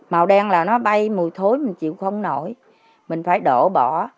màu đen là nó bay mùi thối mình chịu không nổi mình phải đổ bỏ